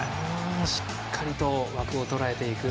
しっかりと枠をとらえていく。